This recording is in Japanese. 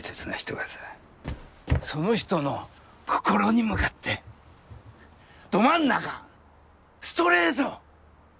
その人の心に向かってど真ん中ストレート！